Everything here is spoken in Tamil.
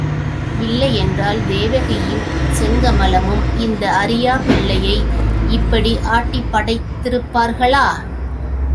இல்லையென்றால், தேவகியும் செங்கமலமும் இந்த அறியாப் பிள்ளை யை இப்படி ஆட்டிப் படைத்திருப்பார்களா?